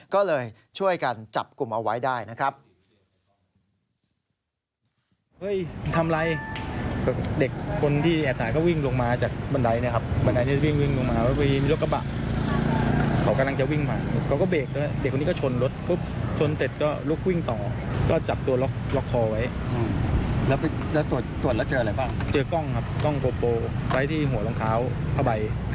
ก็เลยช่วยกันจับกลุ่มเอาไว้ได้นะครับ